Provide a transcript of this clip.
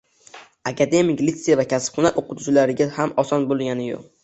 Akademik litsey va kasb-hunar oʻqituvchilariga ham oson boʻlgani yoʻq.